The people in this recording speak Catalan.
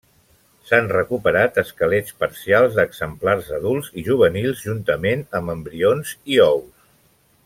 S'han recuperat esquelets parcials d'exemplars adults i juvenils juntament amb embrions i ous.